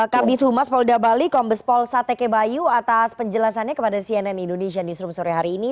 kabit humas polda bali kombes pol sateke bayu atas penjelasannya kepada cnn indonesia newsroom sore hari ini